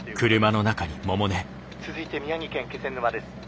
「続いて宮城県気仙沼です。